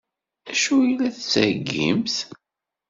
D acu ay la d-tettheyyimt?